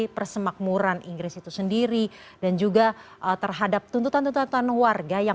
persemakmuran inggris itu sendiri dan juga terhadap tuntutan tuntutan warga